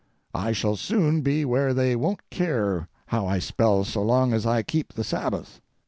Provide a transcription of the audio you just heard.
I shall soon be where they won't care how I spell so long as I keep the Sabbath.